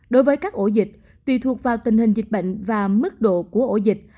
đối với các ổ dịch tùy thuộc vào tình hình dịch bệnh và mức độ của ổ dịch